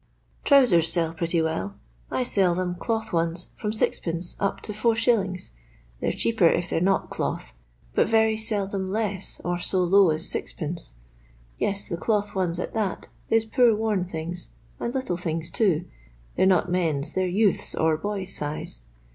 " Trousers sells pretty well. I sell them, cloth ones, from 6d. up to it. They're cheaper if they 're not cloth, but very seldom less or so low as Qd. Yes, the cloth ones at that is poor worn things, and little things too. They 're not men's, they 're youth's or boy's size.